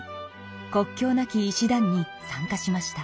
国境なき医師団に参加しました。